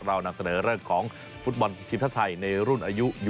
เรานำเสนอเรื่องของฟุตบอลทีมชาติไทยในรุ่นอายุ